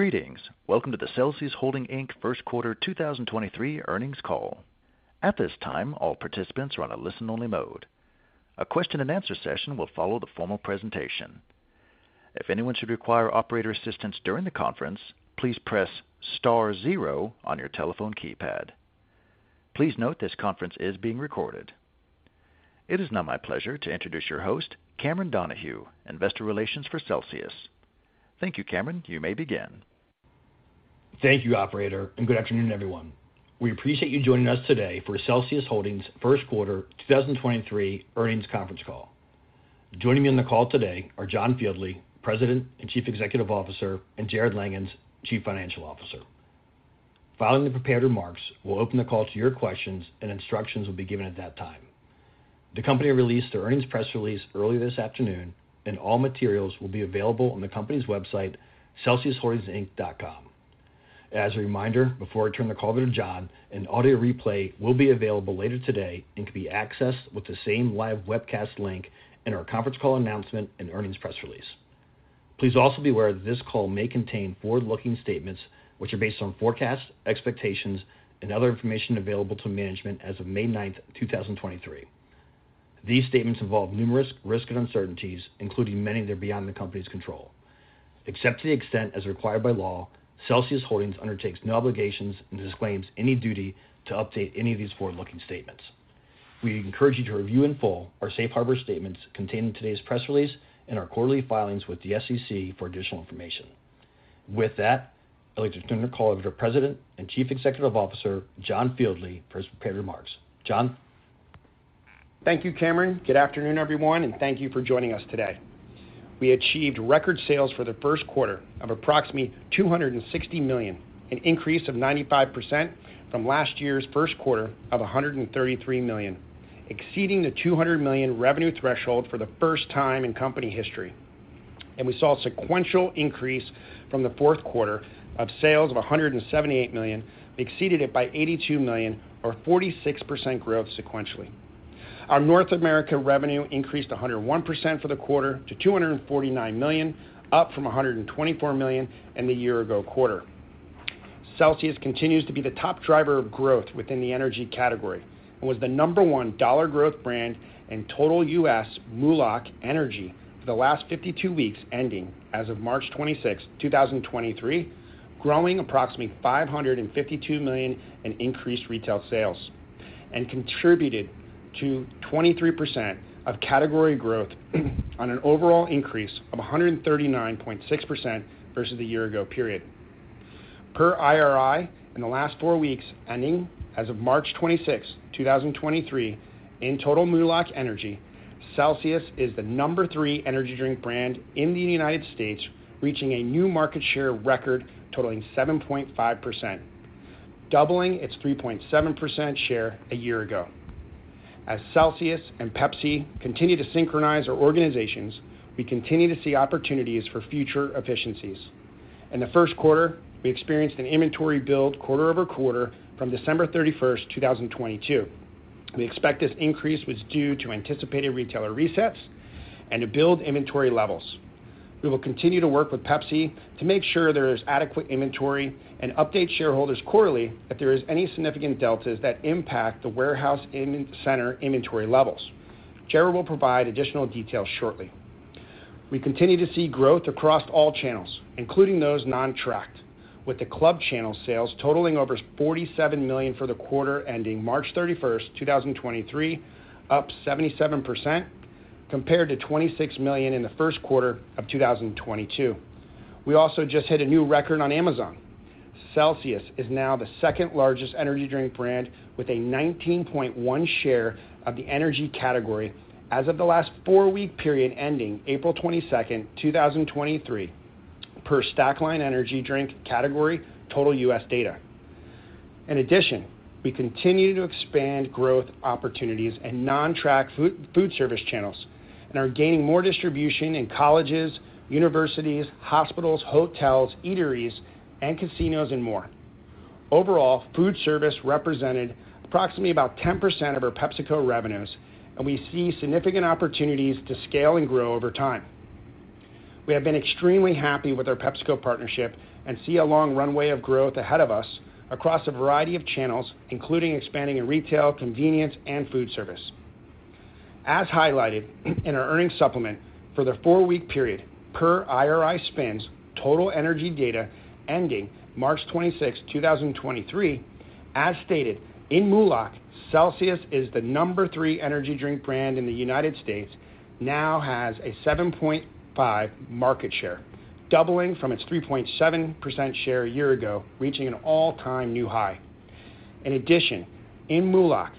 Greetings. Welcome to the Celsius Holdings, Inc. first quarter 2023 earnings call. At this time, all participants are on a listen only mode. A question and answer session will follow the formal presentation. If anyone should require operator assistance during the conference, please press star zero on your telephone keypad. Please note this conference is being recorded. It is now my pleasure to introduce your host, Cameron Donahue, Investor Relations for Celsius. Thank you. Cameron, you may begin. Thank you, operator, and good afternoon, everyone. We appreciate you joining us today for Celsius Holdings 1st quarter 2023 earnings conference call. Joining me on the call today are John Fieldly, President and Chief Executive Officer, and Jarrod Langhans, Chief Financial Officer. Following the prepared remarks, we'll open the call to your questions and instructions will be given at that time. The company released their earnings press release earlier this afternoon and all materials will be available on the company's website, celsiusholdingsinc.com. As a reminder, before I turn the call over to John, an audio replay will be available later today and can be accessed with the same live webcast link in our conference call, announcement and earnings press release. Please also be aware that this call may contain forward-looking statements which are based on forecasts, expectations and other information available to management as of May 9, 2023. These statements involve numerous risks and uncertainties, including many that are beyond the company's control. Except to the extent as required by law, Celsius Holdings undertakes no obligations and disclaims any duty to update any of these forward-looking statements. We encourage you to review in full our safe harbor statements contained in today's press release and our quarterly filings with the SEC for additional information. With that, I'd like to turn the call over to President and Chief Executive Officer, John Fieldly for his prepared remarks. John. Thank you, Cameron. Good afternoon, everyone, and thank you for joining us today. We achieved record sales for the first quarter of approximately $260 million, an increase of 95% from last year's first quarter of $133 million, exceeding the $200 million revenue threshold for the first time in company history. We saw a sequential increase from the fourth quarter of sales of $178 million exceeded it by $82 million, or 46% growth sequentially. Our North America revenue increased 101% for the quarter to $249 million, up from $124 million in the year ago quarter. Celsius continues to be the top driver of growth within the energy category and was the number one dollar growth brand in total U.S. MULOC Energy for the last 52 weeks ending as of March 26, 2023, growing approximately $552 million in increased retail sales and contributed to 23% of category growth on an overall increase of 139.6% versus the year-ago period. Per IRI in the last four weeks, ending as of March 26, 2023. In total MULOC Energy, Celsius is the number three energy drink brand in the U.S., reaching a new market share record totaling 7.5%, doubling its 3.7% share a year-ago. As Celsius and Pepsi continue to synchronize our organizations, we continue to see opportunities for future efficiencies. In the first quarter, we experienced an inventory build quarter-over-quarter from December 31, 2022. We expect this increase was due to anticipated retailer resets and to build inventory levels. We will continue to work with Pepsi to make sure there is adequate inventory and update shareholders quarterly if there is any significant deltas that impact the warehouse center inventory levels. Jarrod will provide additional details shortly. We continue to see growth across all channels, including those non-tracked with the club channel sales totaling over $47 million for the quarter ending March 31, 2023, up 77% compared to $26 million in the first quarter of 2022. We also just hit a new record on Amazon. Celsius is now the second largest energy drink brand with a 19.1 share of the energy category as of the last four week period ending April 22, 2023, per Stackline energy drink category total U.S. data. In addition, we continue to expand growth opportunities and non-track food service channels and are gaining more distribution in colleges, universities, hospitals, hotels, eateries and casinos, and more. Overall, food service represented approximately about 10% of our PepsiCo revenues, and we see significant opportunities to scale and grow over time. We have been extremely happy with our PepsiCo partnership and see a long runway of growth ahead of us across a variety of channels, including expanding in retail, convenience and food service. As highlighted in our earnings supplement for the four week period per IRI and SPINS total energy data ending March 26, 2023. As stated in MULOC, Celsius is the number three energy drink brand in the United States now has a 7.5% market share, doubling from its 3.7% share a year ago, reaching an all-time new high. In addition, in MULOC,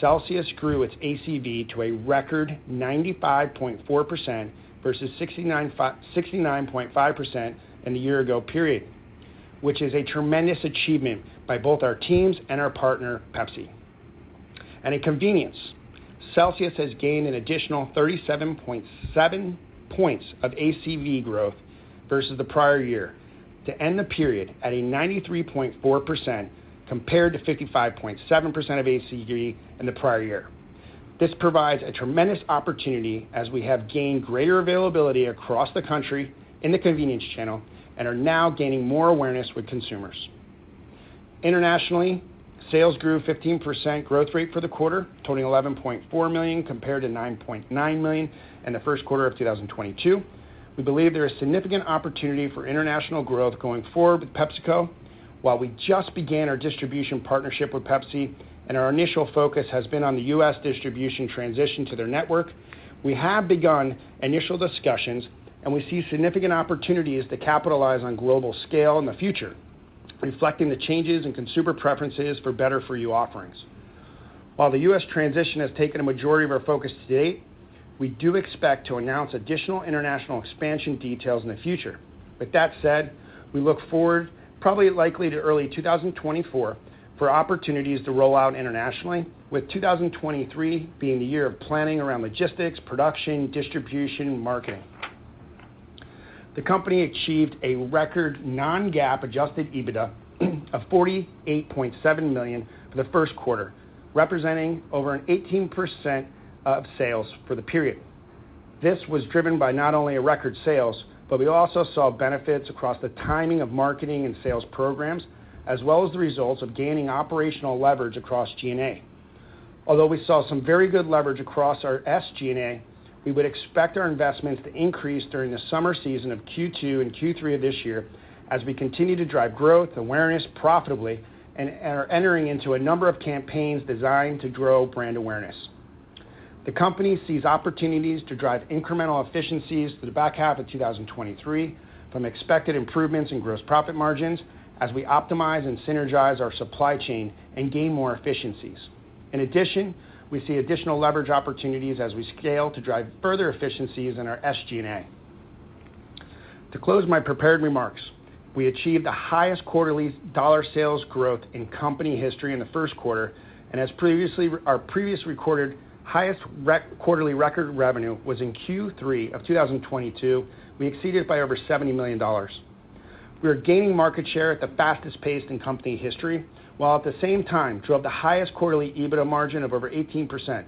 Celsius grew its ACV to a record 95.4% versus 69.5% in the year ago period, which is a tremendous achievement by both our teams and our partner, Pepsi. In convenience, Celsius has gained an additional 37.7 points of ACV growth versus the prior year to end the period at a 93.4% compared to 55.7% of ACV in the prior year. This provides a tremendous opportunity as we have gained greater availability across the country in the convenience channel and are now gaining more awareness with consumers. Internationally, sales grew 15% growth rate for the quarter, totaling $11.4 million compared to $9.9 million in the first quarter of 2022. We believe there is significant opportunity for international growth going forward with PepsiCo. While we just began our distribution partnership with Pepsi and our initial focus has been on the U.S. distribution transition to their network, we have begun initial discussions, and we see significant opportunities to capitalize on global scale in the future, reflecting the changes in consumer preferences for better for you offerings. While the U.S. transition has taken a majority of our focus to date, we do expect to announce additional international expansion details in the future. With that said, we look forward probably likely to early 2024 for opportunities to roll out internationally, with 2023 being the year of planning around logistics, production, distribution, and marketing. The company achieved a record non-GAAP adjusted EBITDA of $48.7 million for the first quarter, representing over an 18% of sales for the period. This was driven by not only a record sales, but we also saw benefits across the timing of marketing and sales programs, as well as the results of gaining operational leverage across G&A. Although we saw some very good leverage across our SG&A, we would expect our investments to increase during the summer season of Q2 and Q3 of this year as we continue to drive growth, awareness profitably and are entering into a number of campaigns designed to grow brand awareness. The company sees opportunities to drive incremental efficiencies through the back half of 2023 from expected improvements in gross profit margins as we optimize and synergize our supply chain and gain more efficiencies. In addition, we see additional leverage opportunities as we scale to drive further efficiencies in our SG&A. To close my prepared remarks, we achieved the highest quarterly dollar sales growth in company history in the first quarter. As previously our previous recorded highest quarterly record revenue was in Q3 of 2022, we exceeded by over $70 million. We are gaining market share at the fastest pace in company history, while at the same time drove the highest quarterly EBITDA margin of over 18%,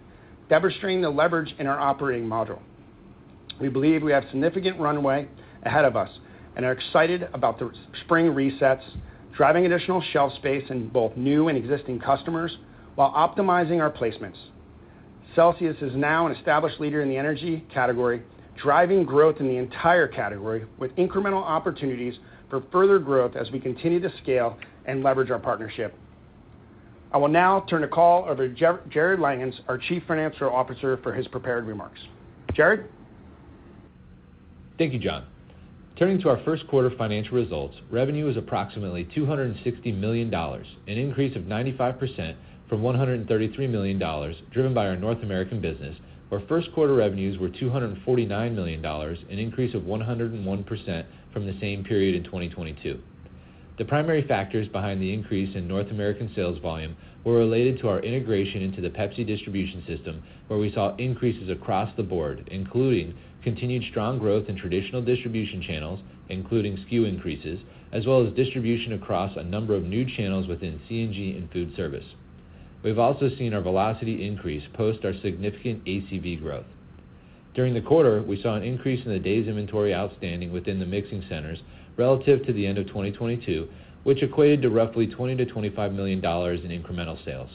demonstrating the leverage in our operating model. We believe we have significant runway ahead of us and are excited about the spring resets, driving additional shelf space in both new and existing customers while optimizing our placements. Celsius is now an established leader in the energy category, driving growth in the entire category with incremental opportunities for further growth as we continue to scale and leverage our partnership. I will now turn the call over to Jarrod Langhans, our Chief Financial Officer, for his prepared remarks. Jarrod. Thank you, John. Turning to our first quarter financial results, revenue is approximately $260 million, an increase of 95% from $133 million driven by our North American business, where first quarter revenues were $249 million, an increase of 101% from the same period in 2022. The primary factors behind the increase in North American sales volume were related to our integration into the Pepsi distribution system, where we saw increases across the board, including continued strong growth in traditional distribution channels, including SKU increases, as well as distribution across a number of new channels within C&G and food service. We've also seen our velocity increase post our significant ACV growth. During the quarter, we saw an increase in the days inventory outstanding within the mixing centers relative to the end of 2022, which equated to roughly $20 million-$25 million in incremental sales.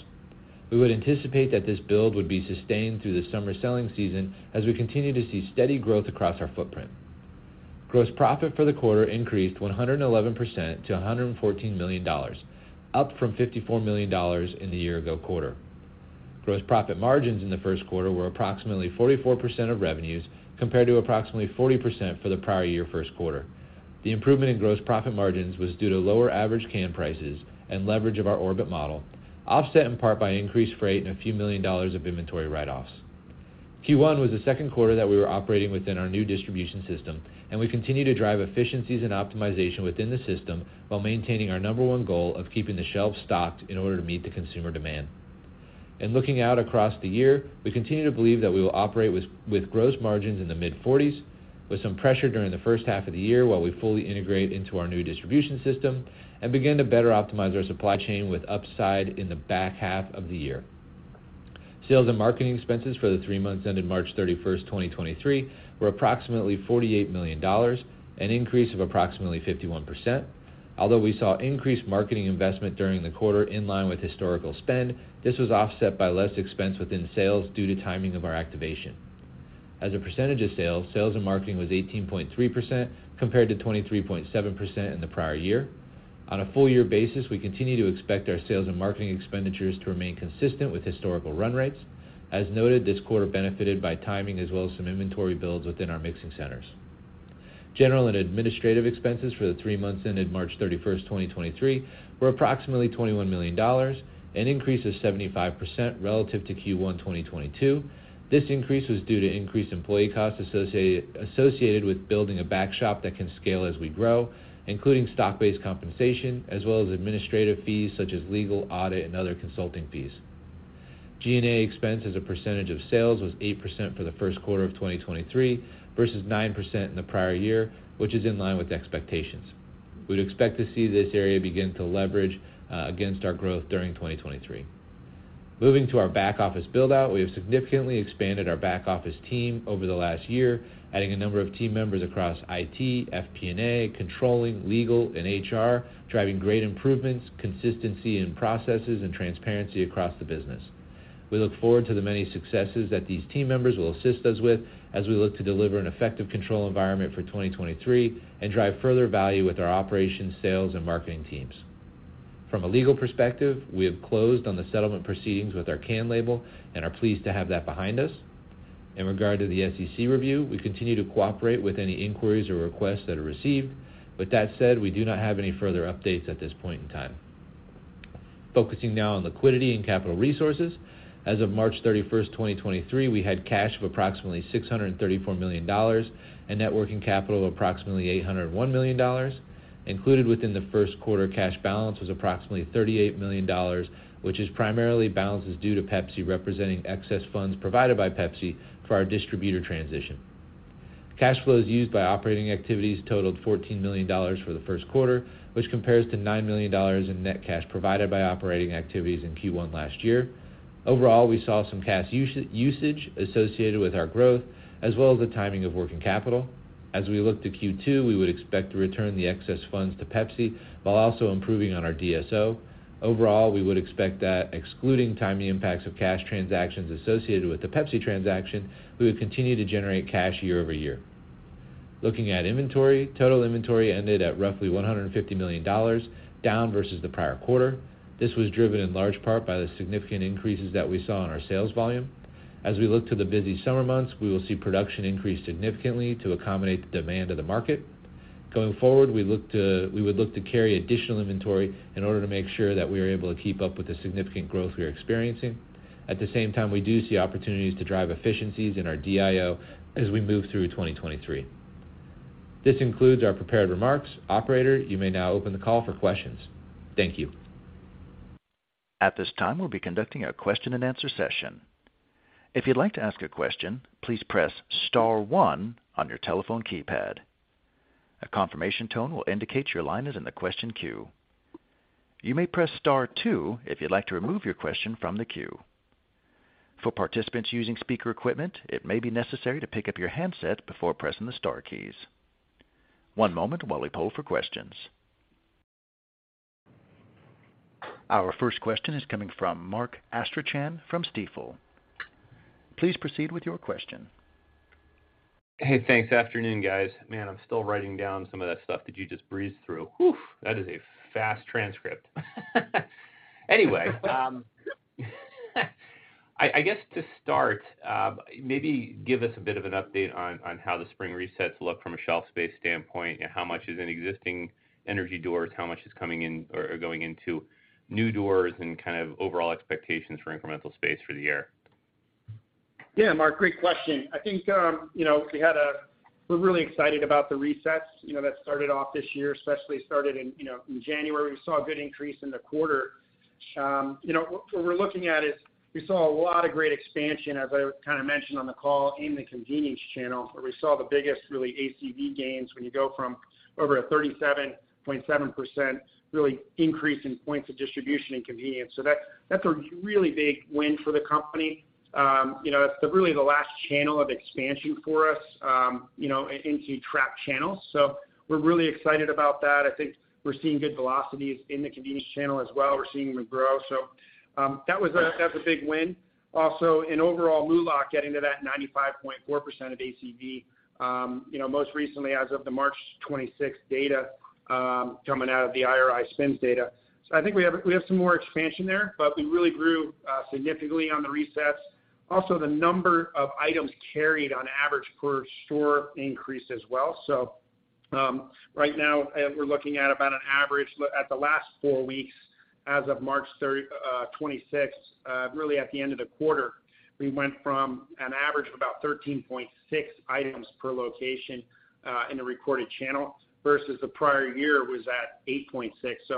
We would anticipate that this build would be sustained through the summer selling season as we continue to see steady growth across our footprint. Gross profit for the quarter increased 111% to $114 million, up from $54 million in the year ago quarter. Gross profit margins in the first quarter were approximately 44% of revenues, compared to approximately 40% for the prior year first quarter. The improvement in gross profit margins was due to lower average can prices and leverage of our orbit model, offset in part by increased freight and a few million dollars of inventory write-offs. Q1 was the second quarter that we were operating within our new distribution system, and we continue to drive efficiencies and optimization within the system while maintaining our number one goal of keeping the shelves stocked in order to meet the consumer demand. Looking out across the year, we continue to believe that we will operate with gross margins in the mid-40s, with some pressure during the first half of the year while we fully integrate into our new distribution system and begin to better optimize our supply chain with upside in the back half of the year. Sales and marketing expenses for the three months ended March 31, 2023, were approximately $48 million, an increase of approximately 51%. Although we saw increased marketing investment during the quarter in line with historical spend, this was offset by less expense within sales due to timing of our activation. As a percentage of sales and marketing was 18.3%, compared to 23.7% in the prior year. On a full-year basis, we continue to expect our sales and marketing expenditures to remain consistent with historical run rates. As noted, this quarter benefited by timing as well as some inventory builds within our mixing centers. General and administrative expenses for the three months ended March 31, 2023, were approximately $21 million, an increase of 75% relative to Q1 2022. This increase was due to increased employee costs associated with building a back shop that can scale as we grow, including stock-based compensation, as well as administrative fees such as legal, audit, and other consulting fees. G&A expense as a percentage of sales was 8% for the first quarter of 2023 versus 9% in the prior year, which is in line with expectations. We'd expect to see this area begin to leverage against our growth during 2023. Moving to our back office build out. We have significantly expanded our back office team over the last year, adding a number of team members across IT, FP&A, controlling, legal, and HR, driving great improvements, consistency in processes, and transparency across the business. We look forward to the many successes that these team members will assist us with as we look to deliver an effective control environment for 2023 and drive further value with our operations, sales, and marketing teams. From a legal perspective, we have closed on the settlement proceedings with our can label and are pleased to have that behind us. In regard to the SEC review, we continue to cooperate with any inquiries or requests that are received. With that said, we do not have any further updates at this point in time. Focusing now on liquidity and capital resources. As of March 31, 2023, we had cash of approximately $634 million and net working capital of approximately $801 million. Included within the first quarter cash balance was approximately $38 million, which is primarily balances due to Pepsi, representing excess funds provided by Pepsi for our distributor transition. Cash flows used by operating activities totaled $14 million for the first quarter, which compares to $9 million in net cash provided by operating activities in Q1 last year. Overall, we saw some cash usage associated with our growth as well as the timing of working capital. As we look to Q2, we would expect to return the excess funds to Pepsi while also improving on our DSO. Overall, we would expect that excluding timing impacts of cash transactions associated with the Pepsi transaction, we would continue to generate cash year-over-year. Looking at inventory, total inventory ended at roughly $150 million, down versus the prior quarter. This was driven in large part by the significant increases that we saw in our sales volume. As we look to the busy summer months, we will see production increase significantly to accommodate the demand of the market. Going forward, we would look to carry additional inventory in order to make sure that we are able to keep up with the significant growth we are experiencing. At the same time, we do see opportunities to drive efficiencies in our DIO as we move through 2023. This concludes our prepared remarks. Operator, you may now open the call for questions. Thank you. At this time, we'll be conducting a question and answer session. If you'd like to ask a question, please press star one on your telephone keypad. A confirmation tone will indicate your line is in the question queue. You may press star two if you'd like to remove your question from the queue. For participants using speaker equipment, it may be necessary to pick up your handset before pressing the star keys. One moment while we poll for questions. Our first question is coming from Mark Astrachan from Stifel. Please proceed with your question. Hey, thanks. Afternoon, guys. Man, I'm still writing down some of that stuff that you just breezed through. Whoo. That is a fast transcript. I guess to start, maybe give us a bit of an update on how the spring resets look from a shelf space standpoint, and how much is in existing energy doors, how much is coming in or going into new doors, and kind of overall expectations for incremental space for the year. Yeah, Mark, great question. I think, you know, We're really excited about the resets, you know, that started off this year, especially started in, you know, in January. We saw a good increase in the quarter. You know, what we're looking at is we saw a lot of great expansion, as I kind of mentioned on the call, in the convenience channel, where we saw the biggest really ACV gains when you go from over a 37.7% really increase in points of distribution and convenience. That's a really big win for the company. You know, that's really the last channel of expansion for us, you know, into track channels. We're really excited about that. I think we're seeing good velocities in the convenience channel as well. We're seeing them grow. That's a big win. Also, in overall MULOC getting to that 95.4% of ACV, you know, most recently as of the March 26th data, coming out of the IRI and SPINS data. I think we have some more expansion there, but we really grew significantly on the resets. Also, the number of items carried on average per store increased as well. Right now we're looking at about an average at the last four weeks as of March 26th, really at the end of the quarter. We went from an average of about 13.6 items per location in the recorded channel versus the prior year was at 8.6.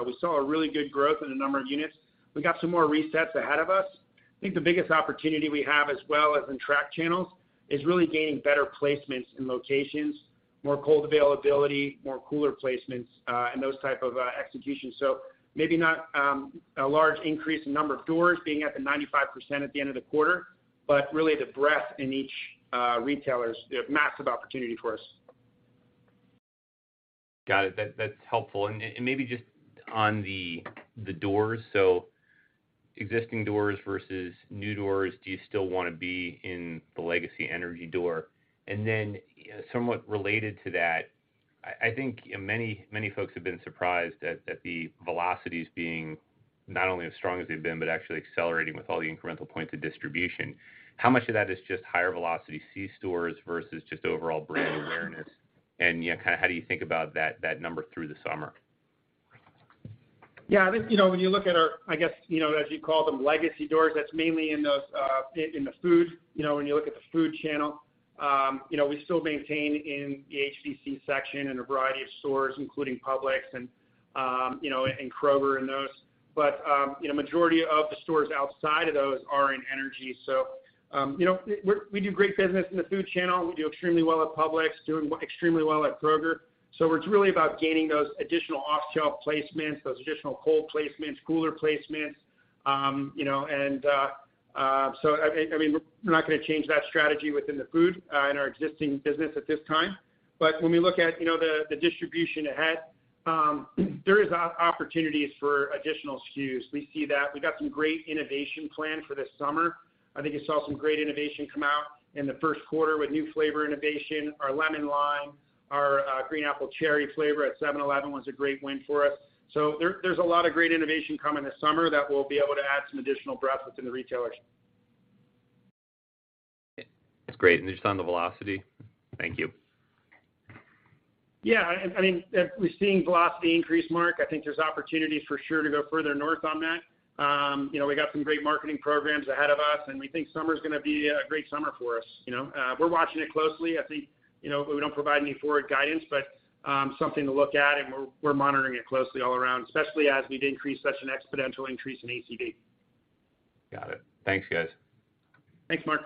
We saw a really good growth in the number of units. We got some more resets ahead of us. I think the biggest opportunity we have, as well as in track channels, is really gaining better placements in locations, more cold availability, more cooler placements, and those type of execution. Maybe not a large increase in number of doors being at the 95% at the end of the quarter, but really the breadth in each retailer's, the massive opportunity for us. Got it. That's helpful. Maybe just on the doors, existing doors versus new doors, do you still wanna be in the legacy energy door? Somewhat related to that, I think, you know, many folks have been surprised at, that the velocities being not only as strong as they've been, but actually accelerating with all the incremental points of distribution. How much of that is just higher velocity C-stores versus just overall brand awareness? You know, kinda how do you think about that number through the summer? Yeah, I think, you know, when you look at our, I guess, you know, as you call them, legacy doors, that's mainly in the food. You know, when you look at the food channel, you know, we still maintain in the HBC section in a variety of stores, including Publix and, you know, and Kroger and those. You know, majority of the stores outside of those are in energy. You know, we do great business in the food channel. We do extremely well at Publix, doing extremely well at Kroger. It's really about gaining those additional off-shelf placements, those additional cold placements, cooler placements. You know, I mean, we're not gonna change that strategy within the food in our existing business at this time. When we look at, you know, the distribution ahead, there is opportunities for additional SKUs. We see that. We got some great innovation planned for this summer. I think you saw some great innovation come out in the first quarter with new flavor innovation, our Lemon Lime, our Green Apple Cherry flavor at 7-Eleven was a great win for us. There's a lot of great innovation coming this summer that we'll be able to add some additional breadth within the retailers. That's great. Just on the velocity. Thank you. I mean, we're seeing velocity increase, Mark. I think there's opportunities for sure to go further north on that. You know, we got some great marketing programs ahead of us, and we think summer's gonna be a great summer for us, you know. We're watching it closely. I think, you know, we don't provide any forward guidance, but something to look at, and we're monitoring it closely all around, especially as we've increased such an exponential increase in ACV. Got it. Thanks, guys. Thanks, Mark.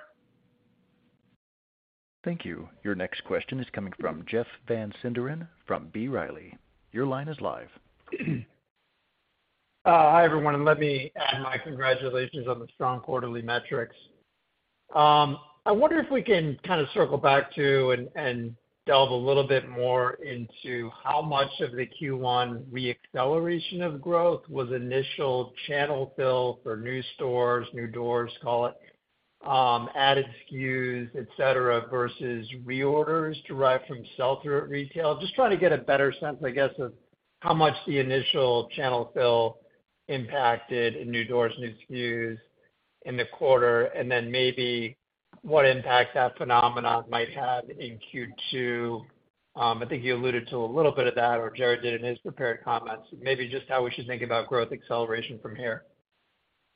Thank you. Your next question is coming from Jeff Van Sinderen from B. Riley. Your line is live. Hi, everyone, let me add my congratulations on the strong quarterly metrics. I wonder if we can kind of circle back to and delve a little bit more into how much of the Q1 re-acceleration of growth was initial channel fill for new stores, new doors, call it, added SKUs, et cetera, versus reorders derived from sell-through at retail. Trying to get a better sense, I guess, of how much the initial channel fill impacted in new doors, new SKUs in the quarter, and then maybe what impact that phenomenon might have in Q2. I think you alluded to a little bit of that, or Jarrod did in his prepared comments. Maybe just how we should think about growth acceleration from here.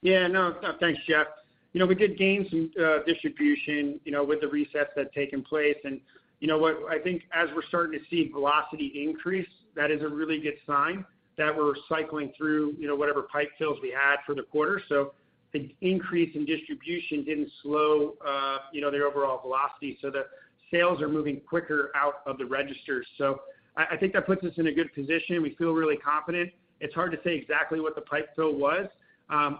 Yeah, no. Thanks, Jeff. You know, we did gain some distribution, you know, with the resets that had taken place. You know what? I think as we're starting to see velocity increase, that is a really good sign that we're cycling through, you know, whatever pipe fills we had for the quarter. The increase in distribution didn't slow, you know, the overall velocity, so the sales are moving quicker out of the registers. I think that puts us in a good position. We feel really confident. It's hard to say exactly what the pipe fill was.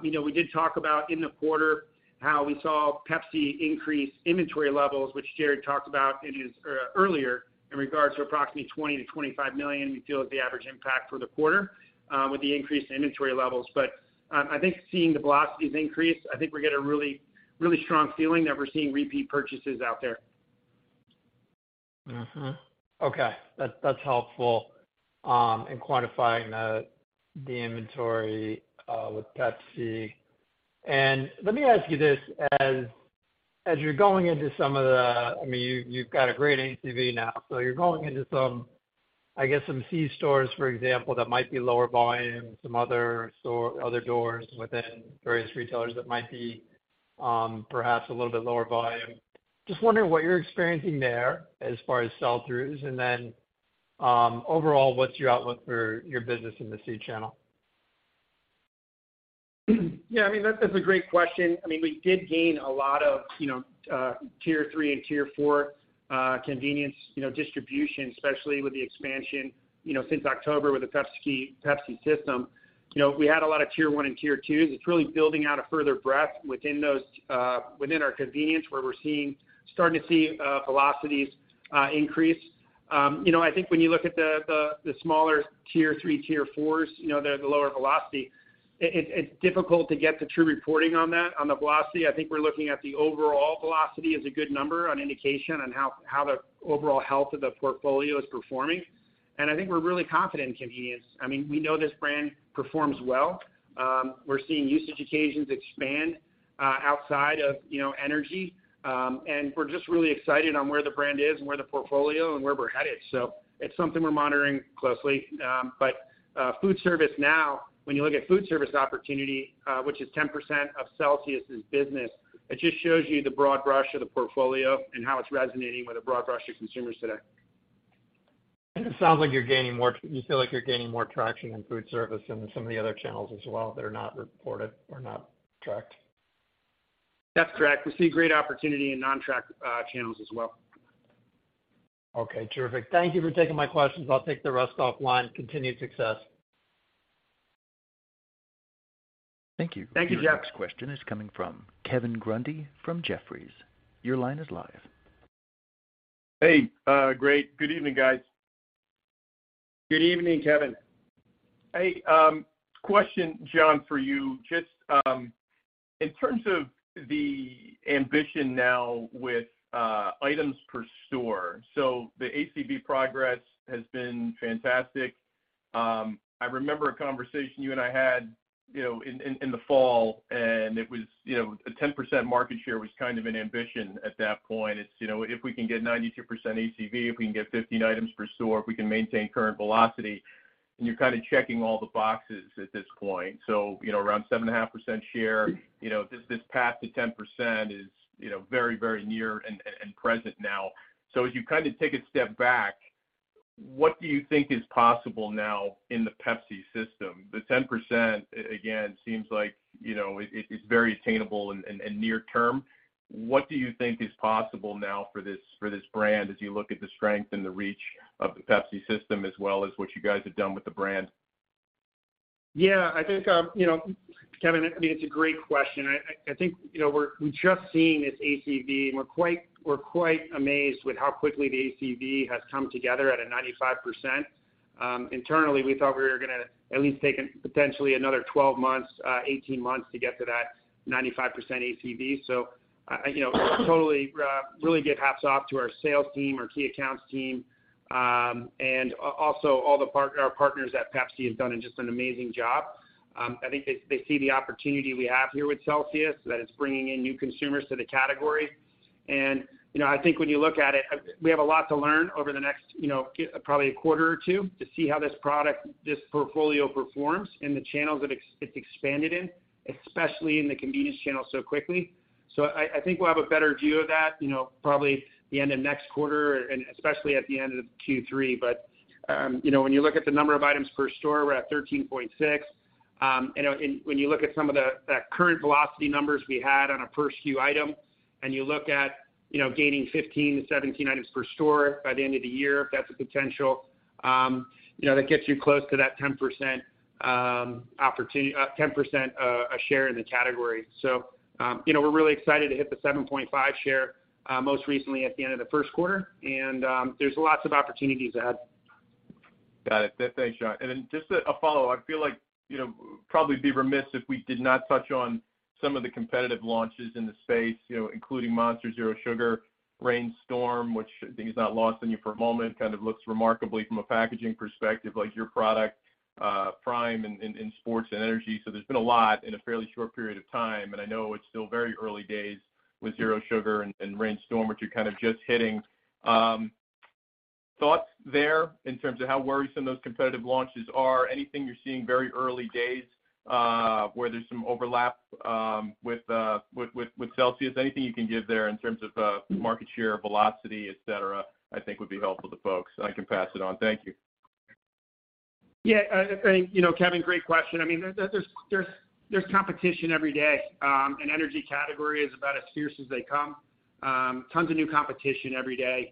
You know, we did talk about in the quarter how we saw Pepsi increase inventory levels, which Jarrod talked about earlier in regards to approximately $20 million-$25 million, we feel is the average impact for the quarter, with the increased inventory levels. I think seeing the velocities increase, I think we get a really strong feeling that we're seeing repeat purchases out there. Mm-hmm. Okay. That's helpful in quantifying the inventory with Pepsi. Let me ask you this, as you're going into some of the... I mean, you've got a great ACV now. So you're going into some, I guess, some C stores, for example, that might be lower volume, some other doors within various retailers that might be, perhaps a little bit lower volume. Just wondering what you're experiencing there as far as sell-throughs, and then, overall, what's your outlook for your business in the C channel? Yeah, I mean, that's a great question. I mean, we did gain a lot of, you know, Tier 3 and Tier 4 convenience, you know, distribution, especially with the expansion, you know, since October with the Pepsi system. We had a lot of Tier 1 and Tier 2s. It's really building out a further breadth within those, within our convenience, where we're seeing, starting to see velocities increase. I think when you look at the smaller Tier 3, Tier 4s, you know, they have the lower velocity, it's difficult to get the true reporting on that, on the velocity. I think we're looking at the overall velocity as a good number, an indication on how the overall health of the portfolio is performing. I think we're really confident in convenience. I mean, we know this brand performs well. We're seeing usage occasions expand, outside of, you know, energy. We're just really excited on where the brand is and where the portfolio and where we're headed. It's something we're monitoring closely. Food service now, when you look at food service opportunity, which is 10% of Celsius' business, it just shows you the broad brush of the portfolio and how it's resonating with a broad brush of consumers today. It sounds like you feel like you're gaining more traction in food service and some of the other channels as well that are not reported or not tracked. That's correct. We see great opportunity in non-tracked channels as well. Okay, terrific. Thank you for taking my questions. I'll take the rest offline. Continued success. Thank you. Thank you, Jeff. Your next question is coming from Kevin Grundy from Jefferies. Your line is live. Hey, great. Good evening, guys. Good evening, Kevin. Hey, question, John, for you. Just, in terms of the ambition now with, items per store. The ACV progress has been fantastic. I remember a conversation you and I had, you know, in the fall, and it was, you know, a 10% market share was kind of an ambition at that point. It's, you know, if we can get 92% ACV, if we can get 15 items per store, if we can maintain current velocity, and you're kind of checking all the boxes at this point. You know, around 7.5% share, you know, this path to 10% is, you know, very near and present now. As you kind of take a step back, what do you think is possible now in the Pepsi system? The 10%, again, seems like, you know, it's very attainable and near term. What do you think is possible now for this brand as you look at the strength and the reach of the Pepsi system as well as what you guys have done with the brand? I think, you know, Kevin, I mean, it's a great question. I think, you know, we've just seen this ACV, and we're quite amazed with how quickly the ACV has come together at a 95%. Internally, we thought we were gonna at least take potentially another 12 months, 18 months to get to that 95% ACV. I, you know, totally really give hats off to our sales team, our key accounts team, and also all our partners at Pepsi have done just an amazing job. I think they see the opportunity we have here with Celsius, that it's bringing in new consumers to the category. You know, I think when you look at it, we have a lot to learn over the next, you know, probably a quarter or two to see how this product, this portfolio performs in the channels that it's expanded in, especially in the convenience channel so quickly. I think we'll have a better view of that, you know, probably the end of next quarter and especially at the end of Q3. You know, when you look at the number of items per store, we're at 13.6. When you look at some of the current velocity numbers we had on a per SKU item, and you look at, you know, gaining 15 to 17 items per store by the end of the year, if that's a potential, you know, that gets you close to that 10% opportunity, 10% share in the category. You know, we're really excited to hit the 7.5 share most recently at the end of the first quarter, and there's lots of opportunities ahead. Got it. Thanks, John. Just a follow-up. I feel like, you know, probably be remiss if we did not touch on some of the competitive launches in the space, you know, including Monster Zero Sugar, Reign Storm, which I think is not lost on you for a moment, kind of looks remarkably from a packaging perspective like your product, Prime in sports and energy. There's been a lot in a fairly short period of time, and I know it's still very early days with Zero Sugar and Reign Storm, which are kind of just hitting. Thoughts there in terms of how worrisome those competitive launches are? Anything you're seeing very early days, where there's some overlap with Celsius? Anything you can give there in terms of, market share, velocity, et cetera, I think would be helpful to folks. I can pass it on. Thank you. Yeah, I think, you know, Kevin, great question. I mean, there's competition every day, Energy category is about as fierce as they come. Tons of new competition every day.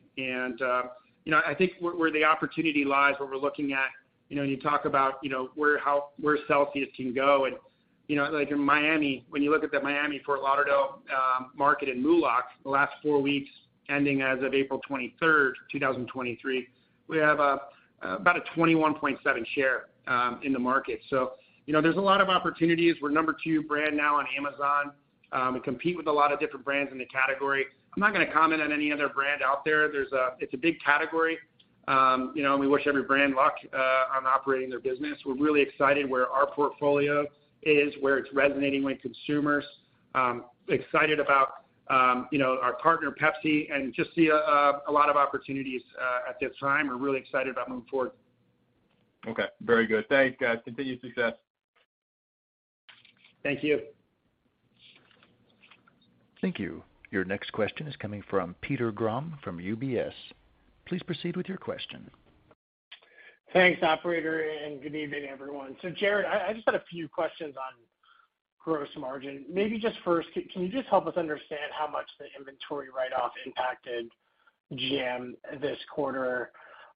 You know, I think where the opportunity lies, where we're looking at, you know, when you talk about, you know, where Celsius can go and, you know, like in Miami, when you look at the Miami Fort Lauderdale market in MULOC, the last four weeks, ending as of April 23rd, 2023, we have about a 21.7% share in the market. You know, there's a lot of opportunities. We're number two brand now on Amazon, compete with a lot of different brands in the category. I'm not gonna comment on any other brand out there. It's a big category, you know, and we wish every brand luck on operating their business. We're really excited where our portfolio is, where it's resonating with consumers, excited about, you know, our partner, Pepsi, and just see a lot of opportunities at this time. We're really excited about moving forward. Okay. Very good. Thanks, guys. Continued success. Thank you. Thank you. Your next question is coming from Peter Grom from UBS. Please proceed with your question. Thanks, operator, good evening, everyone. Jarrod, I just had a few questions on gross margin. Maybe just first, can you just help us understand how much the inventory write-off impacted GM this quarter?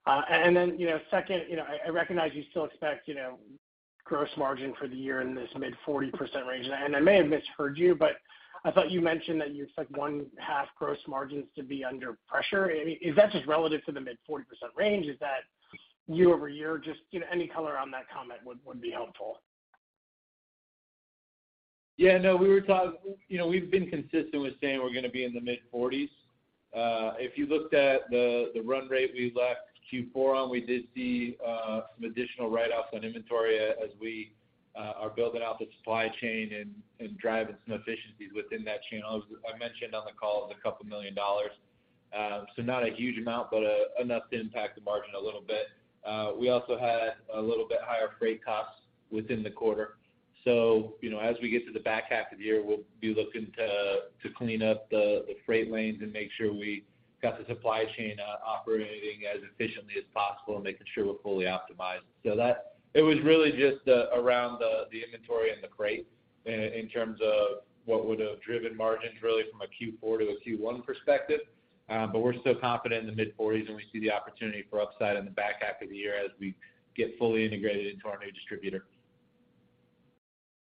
Second, I recognize you still expect gross margin for the year in this mid 40% range. I may have misheard you, but I thought you mentioned that you expect one-half gross margins to be under pressure. Is that just relative to the mid 40% range? Is that year-over-year? Just, any color on that comment would be helpful. You know, we've been consistent with saying we're gonna be in the mid-40s. If you looked at the run rate we left Q4 on, we did see some additional write-offs on inventory as we are building out the supply chain and driving some efficiencies within that channel. I mentioned on the call it was $2 million. Not a huge amount, but enough to impact the margin a little bit. We also had a little bit higher freight costs within the quarter. You know, as we get to the back half of the year, we'll be looking to clean up the freight lanes and make sure we got the supply chain operating as efficiently as possible and making sure we're fully optimized. It was really just around the inventory and the freight in terms of what would have driven margins really from a Q4 to a Q1 perspective. We're still confident in the mid-forties, and we see the opportunity for upside in the back half of the year as we get fully integrated into our new distributor.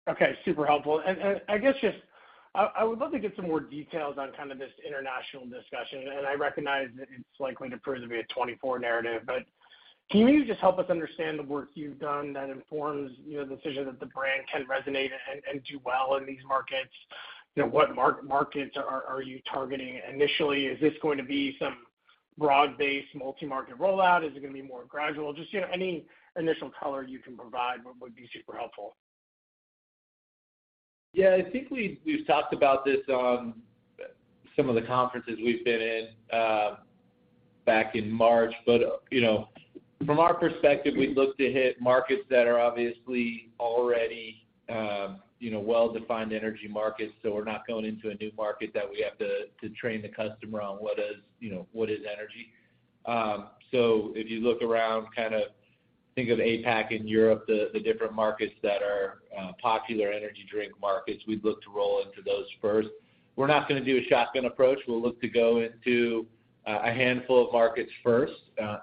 Okay, super helpful. I guess just I would love to get some more details on kind of this international discussion, and I recognize that it's likely to prove to be a 2024 narrative. Can you just help us understand the work you've done that informs, you know, the decision that the brand can resonate and do well in these markets? You know, what markets are you targeting initially? Is this going to be some broad-based multi-market rollout? Is it going to be more gradual? Just, you know, any initial color you can provide would be super helpful. Yeah, I think we've talked about this on some of the conferences we've been in, back in March. You know, from our perspective, we look to hit markets that are obviously already, you know, well-defined energy markets. We're not going into a new market that we have to train the customer on what is, you know, what is energy. If you look around, kind of think of APAC and Europe, the different markets that are popular energy drink markets, we'd look to roll into those first. We're not gonna do a shotgun approach. We'll look to go into a handful of markets first,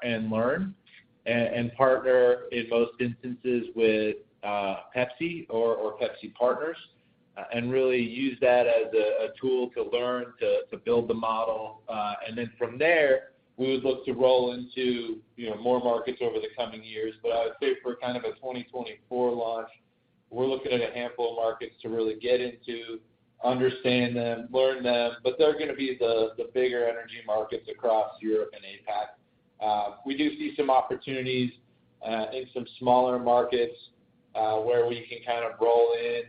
and learn and partner in most instances with Pepsi or Pepsi partners, and really use that as a tool to learn to build the model. From there, we would look to roll into, you know, more markets over the coming years. I would say for kind of a 2024 launch, we're looking at a handful of markets to really get into, understand them, learn them, but they're gonna be the bigger energy markets across Europe and APAC. We do see some opportunities in some smaller markets where we can kind of roll in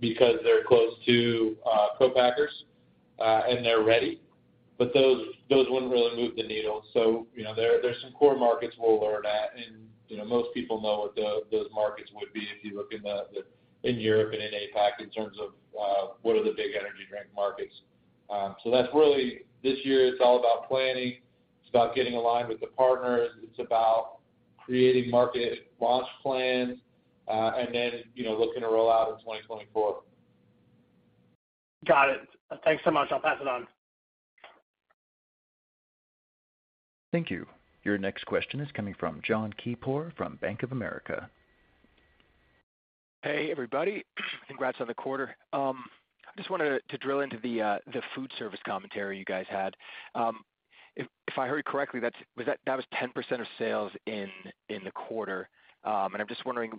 because they're close to co-packers and they're ready, but those wouldn't really move the needle. You know, there's some core markets we'll learn at. You know, most people know what those markets would be if you look in Europe and in APAC in terms of what are the big energy drink markets. That's really this year, it's all about planning. It's about getting aligned with the partners. It's about creating market launch plans, and then, you know, looking to roll out in 2024. Got it. Thanks so much. I'll pass it on. Thank you. Your next question is coming from Jon Keypour from Bank of America. Hey, everybody. Congrats on the quarter. I just wanted to drill into the food service commentary you guys had. If I heard correctly, that was 10% of sales in the quarter. I'm just wondering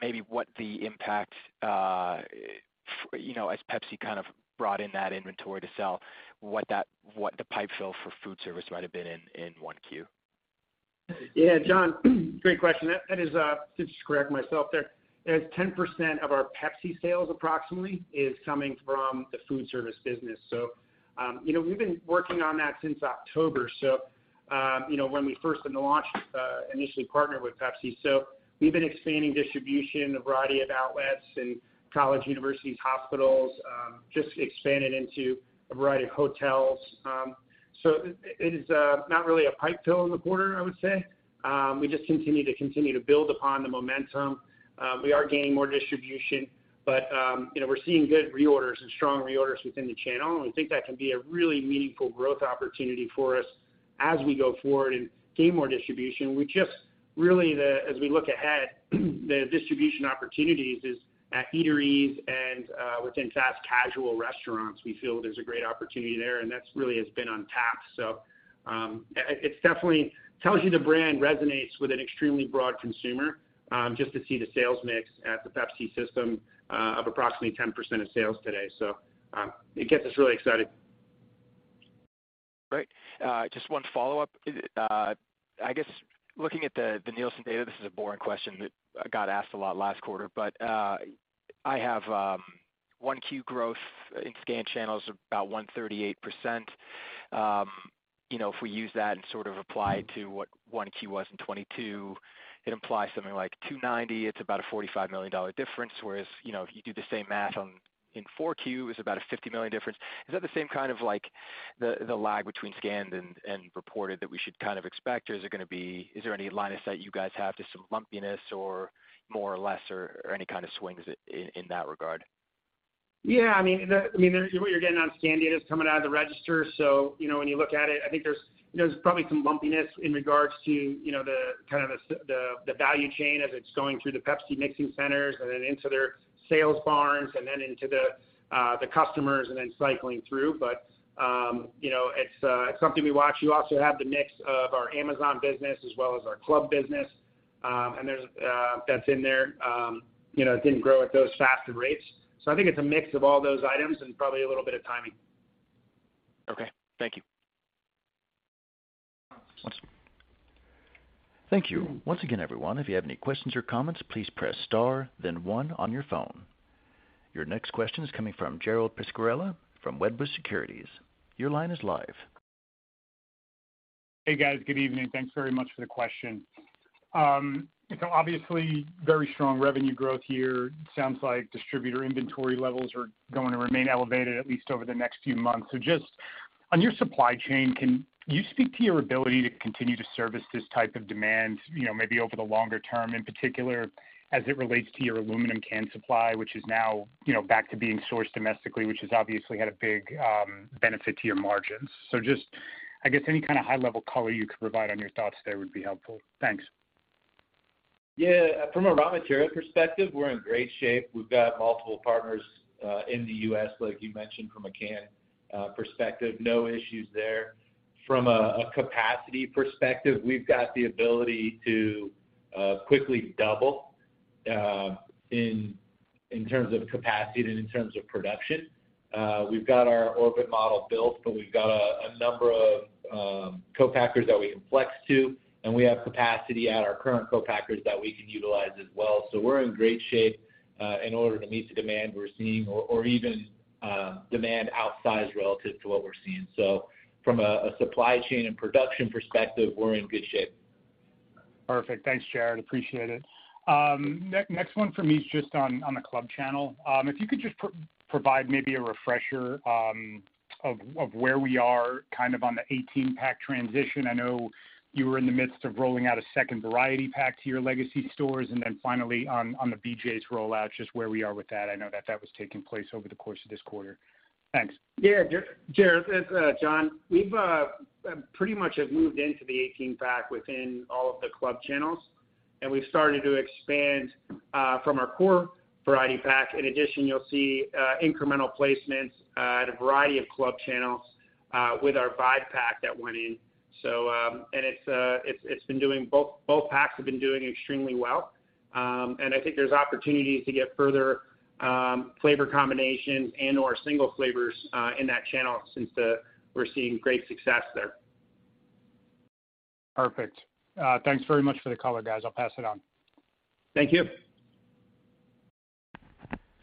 maybe what the impact, you know, as Pepsi kind of brought in that inventory to sell, what the pipe fill for food service might have been in 1Q. Jon, great question. That is, just to correct myself there. That's 10% of our Pepsi sales approximately is coming from the food service business. We've been working on that since October. When we first in the launch, initially partnered with Pepsi. We've been expanding distribution, a variety of outlets and college universities, hospitals, just expanded into a variety of hotels. It is not really a pipe fill in the quarter, I would say. We just continue to build upon the momentum. We are gaining more distribution, but we're seeing good reorders and strong reorders within the channel, and we think that can be a really meaningful growth opportunity for us as we go forward and gain more distribution. We just really as we look ahead, the distribution opportunities is at eateries and within fast casual restaurants. We feel there's a great opportunity there, and that's really has been on tap. It definitely tells you the brand resonates with an extremely broad consumer, just to see the sales mix at the Pepsi system of approximately 10% of sales today. It gets us really excited. Great. Just one follow-up. I guess looking at the Nielsen data, this is a boring question that I got asked a lot last quarter, but I have 1Q growth in scanned channels, about 138%. You know, if we use that and sort of apply it to what 1Q was in 2022, it implies something like $290. It's about a $45 million difference. You know, if you do the same math on in 4Q, it's about a $50 million difference. Is that the same kind of like the lag between scanned and reported that we should kind of expect? Is there any line of sight you guys have, just some lumpiness or more or less or any kind of swings in that regard? I mean, what you're getting on scan data is coming out of the register. You know, when you look at it, I think there's, you know, there's probably some lumpiness in regards to, you know, the kind of the value chain as it's going through the Pepsi mixing centers and then into their sales farms and then into the customers and then cycling through. You know, it's something we watch. You also have the mix of our Amazon business as well as our club business. There's that's in there. You know, it didn't grow at those faster rates. I think it's a mix of all those items and probably a little bit of timing. Okay. Thank you. Thank you. Once again, everyone, if you have any questions or comments, please press star then one on your phone. Your next question is coming from Gerald Pascarelli from Wedbush Securities. Your line is live. Hey, guys. Good evening. Thanks very much for the question. You know, obviously very strong revenue growth here. Sounds like distributor inventory levels are going to remain elevated at least over the next few months. Just on your supply chain, can you speak to your ability to continue to service this type of demand, you know, maybe over the longer term, in particular as it relates to your aluminum can supply, which is now, you know, back to being sourced domestically, which has obviously had a big benefit to your margins. Just, I guess, any kind of high level color you could provide on your thoughts there would be helpful. Thanks. Yeah. From a raw material perspective, we're in great shape. We've got multiple partners in the U.S., like you mentioned, from a can perspective, no issues there. From a capacity perspective, we've got the ability to quickly double in terms of capacity and in terms of production. We've got our Orbit model built, but we've got a number of co-packers that we can flex to, and we have capacity at our current co-packers that we can utilize as well. We're in great shape in order to meet the demand we're seeing or even demand outsize relative to what we're seeing. From a supply chain and production perspective, we're in good shape. Perfect. Thanks, Jarrod. Appreciate it. Next one for me is just on the club channel. If you could just provide maybe a refresher, of where we are kind of on the 18-pack transition. I know you were in the midst of rolling out a second variety pack to your legacy stores. Finally on the BJ's rollout, just where we are with that. I know that that was taking place over the course of this quarter. Thanks. Yeah. Gerald, it's John. We've pretty much have moved into the 18-pack within all of the club channels, and we've started to expand from our core variety pack. In addition, you'll see incremental placements at a variety of club channels with our five-pack that went in. Both packs have been doing extremely well. I think there's opportunities to get further flavor combinations and/or single flavors in that channel since we're seeing great success there. Perfect. Thanks very much for the color, guys. I'll pass it on. Thank you.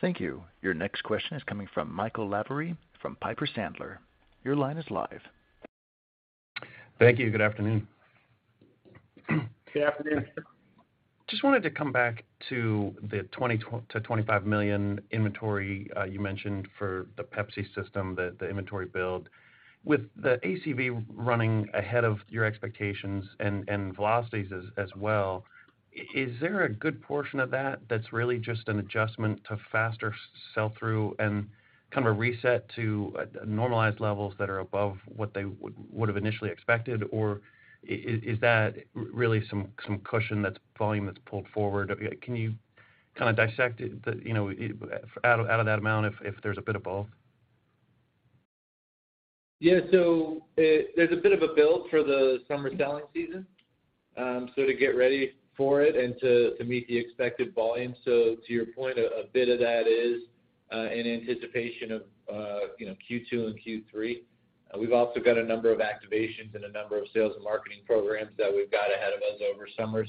Thank you. Your next question is coming from Michael Lavery from Piper Sandler. Your line is live. Thank you. Good afternoon. Good afternoon. Just wanted to come back to the $20 million-$25 million inventory you mentioned for the Pepsi system, the inventory build. With the ACV running ahead of your expectations and velocities as well, is there a good portion of that that's really just an adjustment to faster sell-through and kind of a reset to normalized levels that are above what they would have initially expected? Or is that really some cushion that's volume that's pulled forward? Can you kind of dissect it, you know, out of that amount if there's a bit of both? Yeah. There's a bit of a build for the summer selling season, to get ready for it and to meet the expected volume. To your point, a bit of that is in anticipation of, you know, Q2 and Q3. We've also got a number of activations and a number of sales and marketing programs that we've got ahead of us over summer.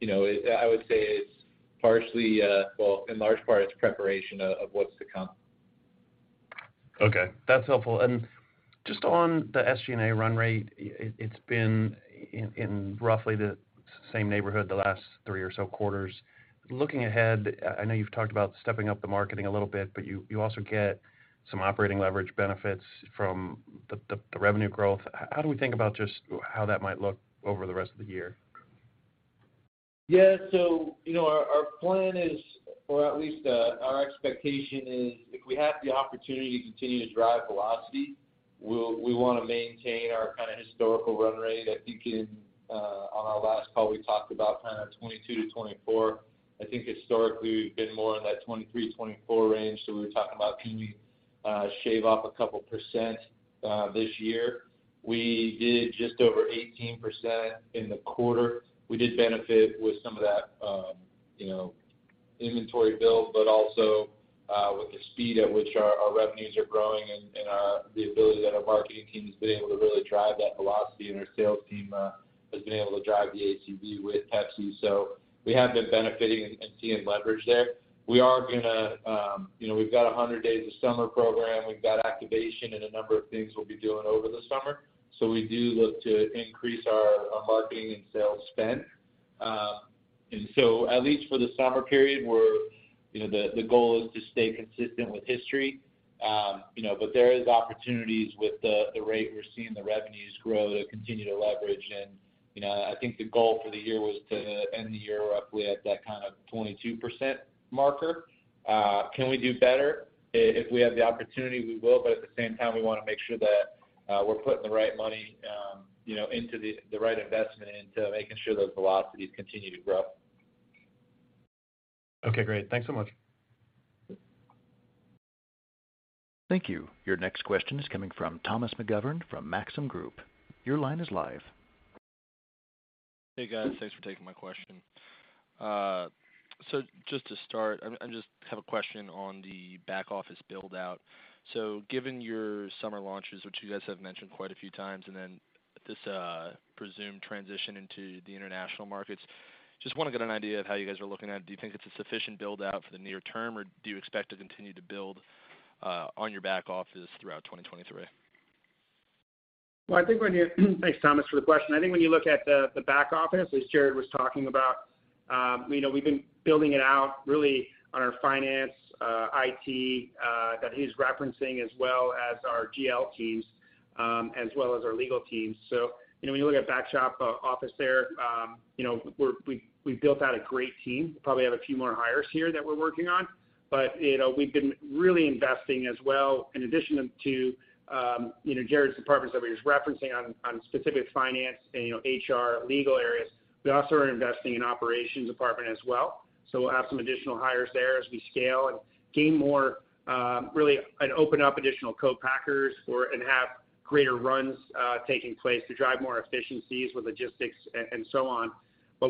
You know, I would say it's partially, well, in large part, it's preparation of what's to come. Okay, that's helpful. Just on the SG&A run rate, it's been in roughly the same neighborhood the last three or so quarters. Looking ahead, I know you've talked about stepping up the marketing a little bit, but you also get some operating leverage benefits from the revenue growth. How do we think about just how that might look over the rest of the year? You know, our plan is, or at least, our expectation is, if we have the opportunity to continue to drive velocity, we wanna maintain our kind of historical run rate. I think in on our last call, we talked about kind of 22%-24%. I think historically, we've been more in that 23%-24% range, we were talking about can we shave off a couple percent this year. We did just over 18% in the quarter. We did benefit with some of that, you know, inventory build, also with the speed at which our revenues are growing and the ability that our marketing team has been able to really drive that velocity and our sales team has been able to drive the ACV with Pepsi. We have been benefiting and seeing leverage there. We are gonna, you know, we've got a 100 Days of Summer program. We've got activation and a number of things we'll be doing over the summer. We do look to increase our marketing and sales spend. At least for the summer period, we're, you know, the goal is to stay consistent with history. You know, but there is opportunities with the rate we're seeing the revenues grow to continue to leverage. You know, I think the goal for the year was to end the year up with that kind of 22% marker. Can we do better? If we have the opportunity, we will. At the same time, we wanna make sure that, we're putting the right money, you know, into the right investment into making sure those velocities continue to grow. Okay, great. Thanks so much. Thank you. Your next question is coming from Thomas McGovern from Maxim Group. Your line is live. Hey, guys. Thanks for taking my question. Just to start, I just have a question on the back office build-out. Given your summer launches, which you guys have mentioned quite a few times, and then this presumed transition into the international markets, just wanna get an idea of how you guys are looking at it. Do you think it's a sufficient build-out for the near term, or do you expect to continue to build on your back office throughout 2023? Well, I think when you. Thanks, Thomas, for the question. I think when you look at the back office, as Jarrod was talking about, you know, we've been building it out really on our finance, IT, that he's referencing, as well as our GL teams, as well as our legal teams. You know, when you look at back shop office there, you know, we've built out a great team. Probably have a few more hires here that we're working on. You know, we've been really investing as well, in addition to, you know, Jarrod's departments that he's referencing on specific finance and, you know, HR, legal areas. We also are investing in operations department as well. We'll have some additional hires there as we scale and gain more, really, and open up additional co-packers and have greater runs taking place to drive more efficiencies with logistics and so on.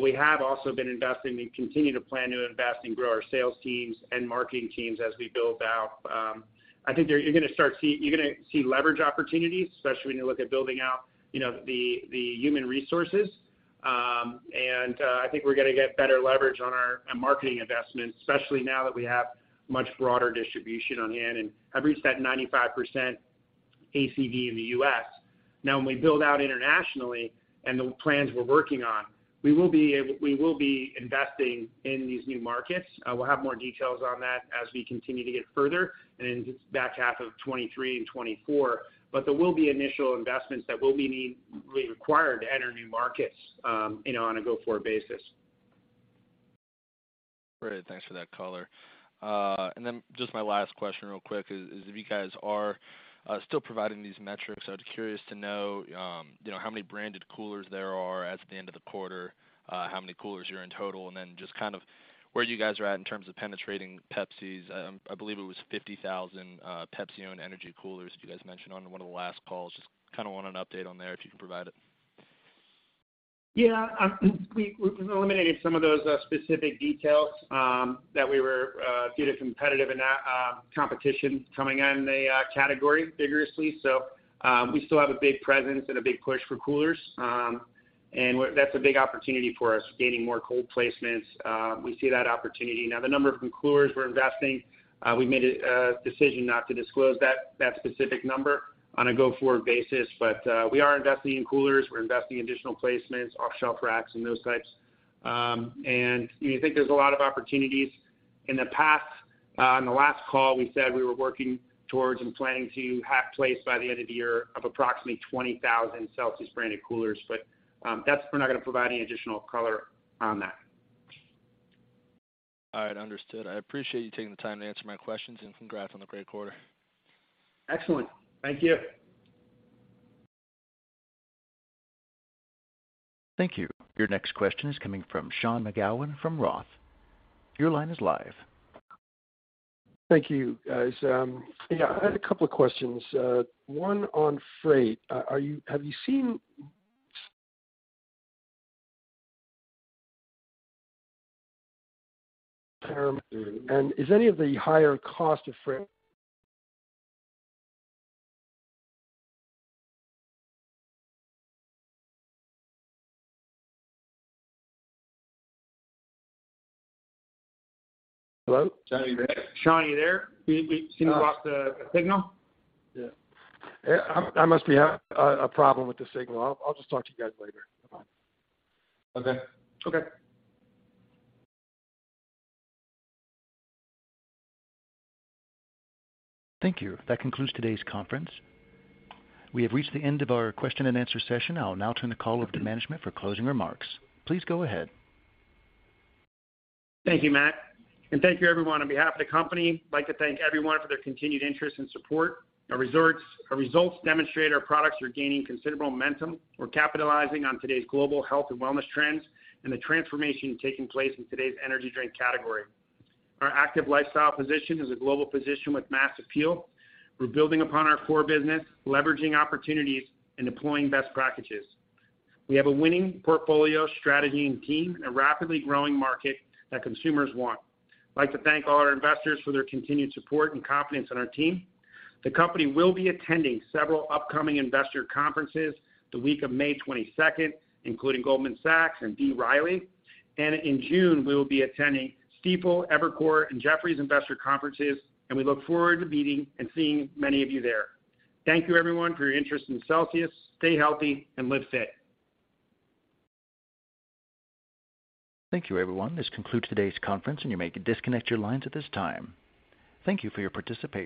We have also been investing. We continue to plan to invest and grow our sales teams and marketing teams as we build out. I think you're gonna see leverage opportunities, especially when you look at building out, you know, the human resources. I think we're gonna get better leverage on our marketing investments, especially now that we have much broader distribution on hand and have reached that 95% ACV in the U.S.. When we build out internationally and the plans we're working on, we will be investing in these new markets. We'll have more details on that as we continue to get further in the back half of 2023 and 2024. There will be initial investments that will be required to enter new markets, you know, on a go-forward basis. Great. Thanks for that color. Just my last question real quick is if you guys are still providing these metrics, I was curious to know how many branded coolers there are at the end of the quarter, how many coolers you're in total, and then just kind of where you guys are at in terms of penetrating Pepsi's. I believe it was 50,000 Pepsi-owned energy coolers you guys mentioned on one of the last calls. Just kinda want an update on there, if you can provide it. Yeah. We've eliminated some of those specific details that we were due to competitive competition coming in the category vigorously. We still have a big presence and a big push for coolers. That's a big opportunity for us, gaining more cold placements. We see that opportunity. The number of coolers we're investing, we made a decision not to disclose that specific number on a go-forward basis. We are investing in coolers. We're investing in additional placements, off-shelf racks, and those types. We think there's a lot of opportunities. In the past, on the last call, we said we were working towards and planning to have placed by the end of the year of approximately 20,000 Celsius branded coolers. We're not gonna provide any additional color on that. All right, understood. I appreciate you taking the time to answer my questions. Congrats on the great quarter. Excellent. Thank you. Thank you. Your next question is coming from Sean McGowan from Roth. Your line is live. Thank you, guys. I had a couple of questions. One on freight. Have you seen term, and is any of the higher cost of freight? Hello? Sean, you there? You seem to have lost the signal. Yeah, I must be a problem with the signal. I'll just talk to you guys later. Bye. Okay. Thank you. That concludes today's conference. We have reached the end of our question and answer session. I'll now turn the call over to management for closing remarks. Please go ahead. Thank you, Matt. Thank you, everyone. On behalf of the company, I'd like to thank everyone for their continued interest and support. Our results demonstrate our products are gaining considerable momentum. We're capitalizing on today's global health and wellness trends and the transformation taking place in today's energy drink category. Our active lifestyle position is a global position with mass appeal. We're building upon our core business, leveraging opportunities and deploying best practices. We have a winning portfolio, strategy, and team in a rapidly growing market that consumers want. I'd like to thank all our investors for their continued support and confidence in our team. The company will be attending several upcoming investor conferences the week of May 22nd, including Goldman Sachs and B. Riley. In June, we will be attending Stifel, Evercore, and Jefferies investor conferences, and we look forward to meeting and seeing many of you there. Thank you, everyone, for your interest in Celsius. Stay healthy and live fit. Thank you, everyone. This concludes today's conference, and you may disconnect your lines at this time. Thank you for your participation.